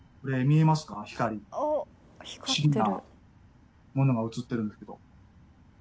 不思議なものが映ってるんですけど。